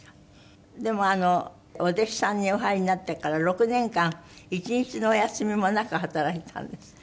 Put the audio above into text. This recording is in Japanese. でもお弟子さんにお入りになってから６年間一日のお休みもなく働いたんですって？